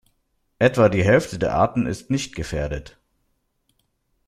Etwa die Hälfte der Arten ist nicht gefährdet.